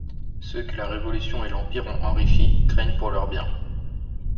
Ceux que la révolution et l'empire ont enrichi craignent pour leurs biens.